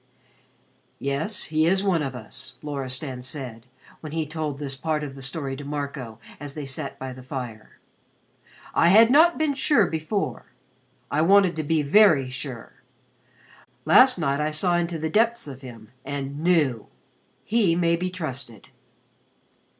"Yes, he is one of us," Loristan said, when he told this part of the story to Marco as they sat by the fire. "I had not been sure before. I wanted to be very sure. Last night I saw into the depths of him and knew. He may be trusted."